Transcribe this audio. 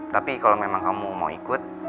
tapi kalau memang kamu mau ikut